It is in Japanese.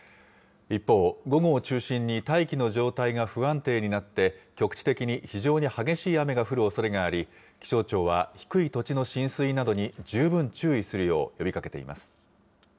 一方、午後を中心に大気の状態が不安定になって、局地的に非常に激しい雨が降るおそれがあり、気象庁は、低い土地の浸水などに十分注意するよう呼びかけています。